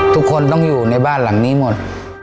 ทุกคนต้องอยู่ในบ้านหลังนี้หมด